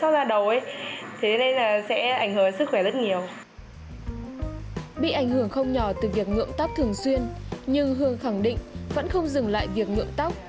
bị ảnh hưởng không nhỏ từ việc ngưỡng tóc thường xuyên nhưng hương khẳng định vẫn không dừng lại việc ngợm tóc